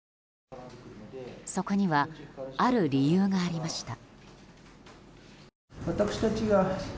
そこにはある理由がありました。